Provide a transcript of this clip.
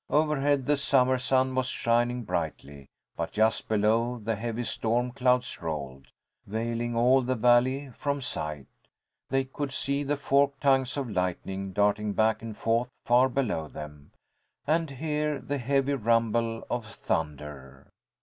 Overhead the summer sun was shining brightly, but just below the heavy storm clouds rolled, veiling all the valley from sight. They could see the forked tongues of lightning darting back and forth far below them, and hear the heavy rumble of thunder.